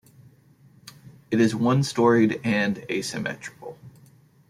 It is one-storied and asymmetrical.